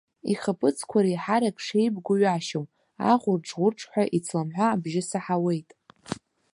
Ихаԥыцқәа реиҳарак шеибгоу ҩашьом, аӷәырџ-ӷәырџҳәа ицламҳәа абжьы саҳауеит.